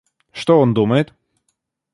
Что он думает?